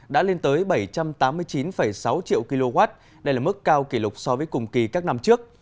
đã lên tới bảy trăm tám mươi chín sáu triệu kw đây là mức cao kỷ lục so với cùng kỳ các năm trước